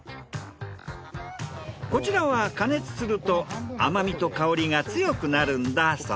こちらは加熱すると甘みと香りが強くなるんだそう。